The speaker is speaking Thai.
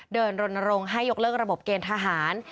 เดินลงให้ยกเลิกระบบเกณฑ์ทหาร